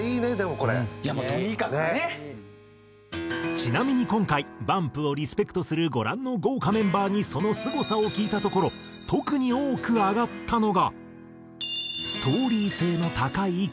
ちなみに今回ＢＵＭＰをリスペクトするご覧の豪華メンバーにそのすごさを聞いたところ特に多く挙がったのが。